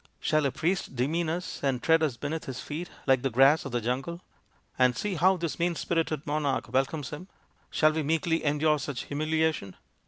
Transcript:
Shall a priest demea us and tread us beneath his feet like the grass of the jungle ? And see how this mean spirited monarch welcomes him ! Shall we meekly endure such humiliation